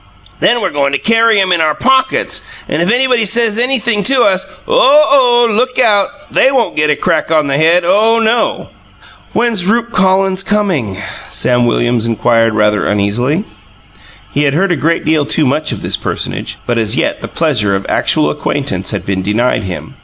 Then we're goin' to carry 'em in our pockets, and if anybody says anything to us OH, oh! look out! They won't get a crack on the head OH, no!" "When's Rupe Collins coming?" Sam Williams inquired rather uneasily. He had heard a great deal too much of this personage, but as yet the pleasure of actual acquaintance had been denied him.